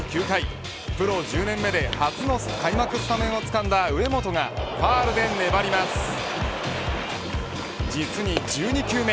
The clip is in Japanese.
９回プロ１０年目で初の開幕スタメンをつかんだ上本がファウルで粘ります。